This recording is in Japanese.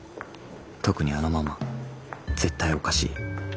特にあのママ絶対おかしい。